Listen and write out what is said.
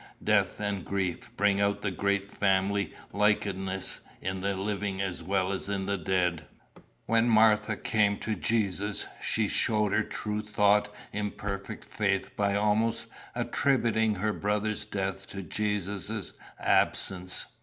Death and grief bring out the great family likenesses in the living as well as in the dead. "When Martha came to Jesus, she showed her true though imperfect faith by almost attributing her brother's death to Jesus' absence.